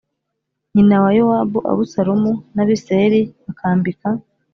nyina wa Yowabu Abusalomu n Abisirayeli bakambika